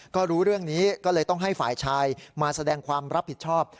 ก็รู้เรื่องนี้ก็เลยต้องให้ฝ่ายชายมาแสดงความรับผิดชอบ